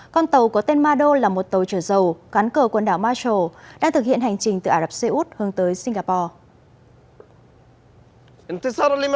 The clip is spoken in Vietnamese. con tàu có tên mardol là một tàu trở dầu gắn cờ quần đảo marshall đang thực hiện hành trình từ ả rập xê út hướng tới singapore